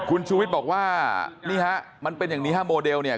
คุณชูวิทย์บอกว่ามันเป็นอย่างนี้ห้ามอเดลเนี่ย